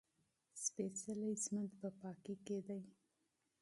سپېڅلی ژوند په پاکۍ کې دی.